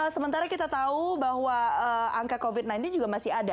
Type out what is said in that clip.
sementara kita tahu bahwa angka covid sembilan belas juga masih ada